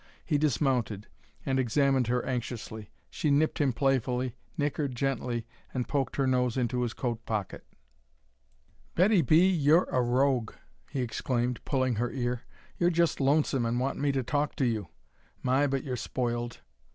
He dismounted, and examined her anxiously. She nipped him playfully, nickered gently, and poked her nose into his coat pocket. "Betty B., you're a rogue!" he exclaimed, pulling her ear. "You're just lonesome and want me to talk to you! My, but you're spoiled!"